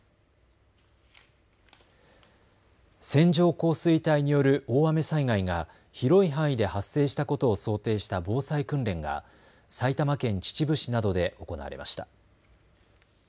線状降水帯による大雨災害が広い範囲で発生したことを想定した防災訓練が埼玉県秩父市などで行われました。